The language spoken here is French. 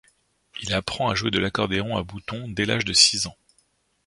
Il apprend à jouer de l'accordéon à boutons dès l'âge de six ans.